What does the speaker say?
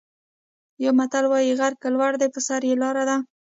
یو متل وايي: غر که لوړ دی په سر یې لاره ده.